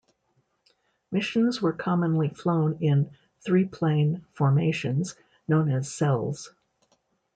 Missions were commonly flown in three-plane formations known as "cells".